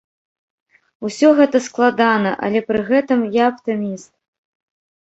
Усё гэта складана, але пры гэтым я аптыміст.